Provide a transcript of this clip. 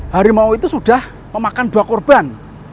harimau itu sudah memakan dua korban